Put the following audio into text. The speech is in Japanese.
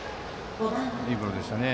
いいボールでしたね。